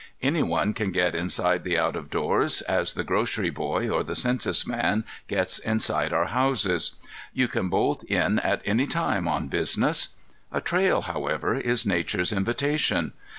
Any one can get inside the out of doors, as the grocery boy or the census man gets inside our houses. You can bolt in at any time on business. A trail, however, is Nature's invitation.